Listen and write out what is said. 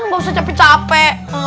nggak usah capek capek